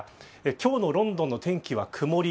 今日のロンドンの天気は曇り。